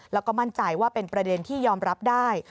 แล้วก็มั่นใจว่าเป็นประเด็นที่ยอมรับได้